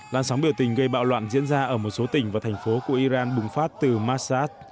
làn sóng biểu tình gây bạo loạn diễn ra ở một số tỉnh và thành phố của iran bùng phát từ massad